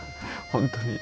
本当に。